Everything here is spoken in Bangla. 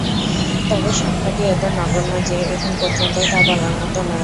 তবে সংখ্যাটি এত নগণ্য যে এখন পর্যন্ত তা বলার মতো নয়।